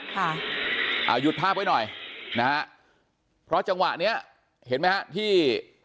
ค่ะอ่าหยุดภาพไว้หน่อยนะฮะเพราะจังหวะเนี้ยเห็นไหมฮะที่